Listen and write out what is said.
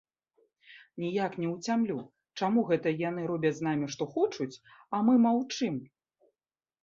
Ніяк не ўцямлю, чаму гэта яны робяць з намі што хочуць, а мы маўчым.